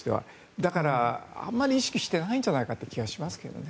だからあまり意識してないんじゃないかという気がしますね。